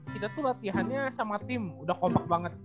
kita tuh latihannya sama tim udah kompak banget